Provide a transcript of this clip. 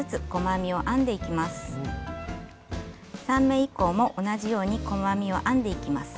３目以降も同じように細編みを編んでいきます。